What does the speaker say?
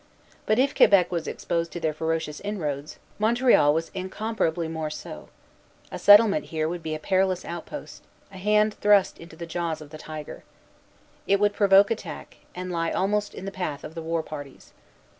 But if Quebec was exposed to their ferocious inroads, Montreal was incomparably more so. A settlement here would be a perilous outpost, a hand thrust into the jaws of the tiger. It would provoke attack, and lie almost in the path of the war parties.